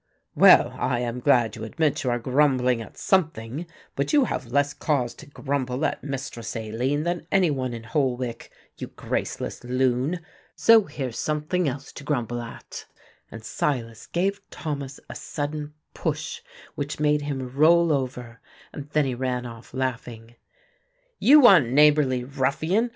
"Well, I am glad you admit you are grumbling at something, but you have less cause to grumble at Mistress Aline than any one in Holwick, you graceless loon. So here's something else to grumble at"; and Silas gave Thomas a sudden push which made him roll over, and then he ran off laughing. "You unneighbourly ruffian.